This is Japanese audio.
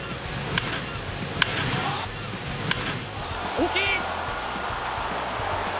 大きい！